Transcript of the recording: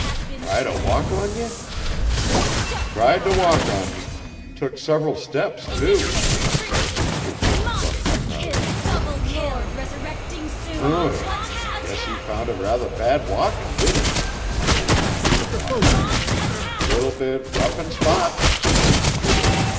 'Try t' walk on ye?' 'Tried t' walk on me. Took several steps too,' I said stooping to brush my trousers. 'Hm! guess he found it ruther bad walkin' didn't he?' my old friend enquired. 'Leetle bit rough in spots?'